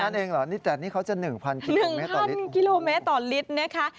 เท่านั้นเองเหรอแต่นี่เขาจะ๑๐๐๐กิโลเมตรต่อลิตร